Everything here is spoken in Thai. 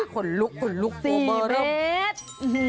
คนลุก๔เมตร